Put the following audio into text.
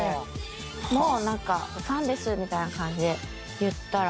何かファンですみたいな感じで言ったら。